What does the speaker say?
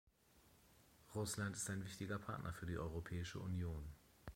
Russland ist ein wichtiger Partner für die Europäische Union.